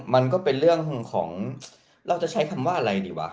มันก็เป็นเรื่องของเราจะใช้คำว่าอะไรดีวะ